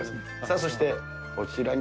そして、こちらに。